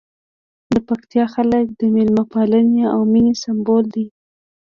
د پکتیکا خلک د مېلمه پالنې او مینې سمبول دي.